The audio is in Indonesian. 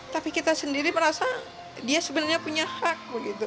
tapi kita sendiri merasa dia sebenarnya punya hak